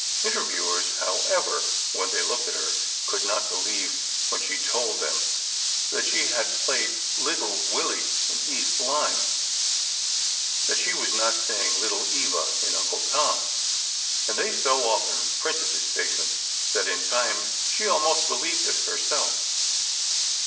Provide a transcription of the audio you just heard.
Interviewers, however, when they looked at her, could not believe, when she told them that she had played "Little Willie" in "East Lynne," that she was not saying "Little Eva in 'Uncle Tom,'" and they so often printed this statement that in time she almost believed it herself.